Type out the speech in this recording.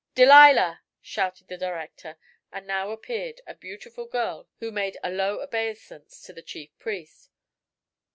"Delilah!" shouted the director, and now appeared a beautiful girl who made a low obeisance to the chief priest.